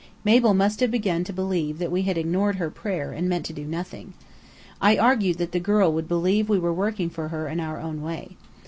Mabel must have begun to believe that we had ignored her prayer and meant to do nothing. I argued that the girl would believe we were working for her in our own way.